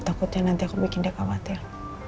takutnya nanti aku bikin dia khawatir